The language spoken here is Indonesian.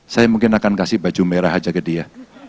saya mungkin akan kasih baju merah aja ke dia